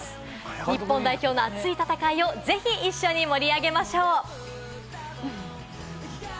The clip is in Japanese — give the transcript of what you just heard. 日本代表の熱い戦いをぜひ一緒に盛り上げましょう。